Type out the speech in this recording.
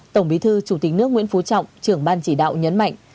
tổng bí thư chủ tịch nước nguyễn phú trọng trưởng ban chỉ đạo nhấn mạnh